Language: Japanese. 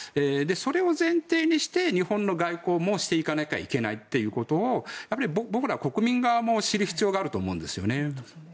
それを前提にして日本の外交もしていかなきゃいけないということを僕ら国民側も知る必要があると思うんですよね。